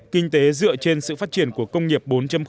kinh tế dựa trên sự phát triển của công nghiệp bốn